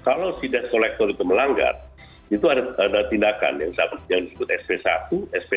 kalau si debt collector itu melanggar itu ada tindakan yang disebut sp satu sp tiga